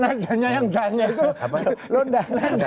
nadanya yang danya